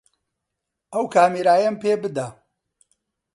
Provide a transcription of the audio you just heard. ئەو کامێرایەم پێ بدە.